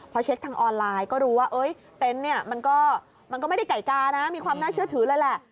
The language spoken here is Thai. พอเช็คทางออนไลน์ก็รู้ว่าเต็นต์เนี่ยมันก็ไม่ได้ไก่กานะมีความน่าเชื่อถือเลยแหละ